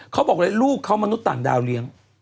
เขาบอกเลยลูกเขามนุษย์ต่างดาวเลี้ยง